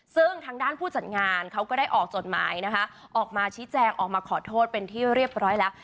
ซึ่งทางด้านผู้จัดงานเขาก็ได้ออกจดหมายนะคะออกมาชี้แจงออกมาขอโทษเป็นที่เรียบร้อยแล้ว